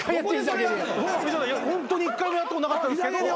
ホントに一回もやったことなかったんですけど。